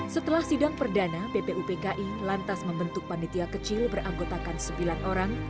setelah sidang perdana ppupki lantas membentuk panitia kecil beranggotakan sembilan orang